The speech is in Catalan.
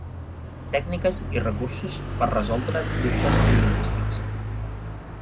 Tècniques i recursos per resoldre dubtes lingüístics.